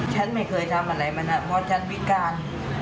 ฉันไม่เคยทำอะไรมันเพราะฉันวิการ